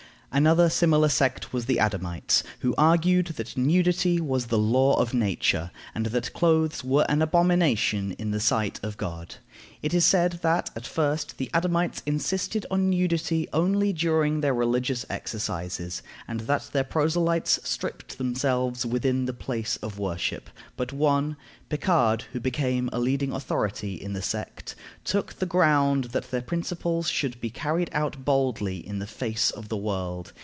Another similar sect was the Adamites, who argued that nudity was the law of nature, and that clothes were an abomination in the sight of God. It is said that, at first, the Adamites insisted on nudity only during their religious exercises, and that their proselytes stripped themselves within the place of worship; but one, Picard, who became a leading authority in the sect, took the ground that their principles should be carried out boldly in the face of the world.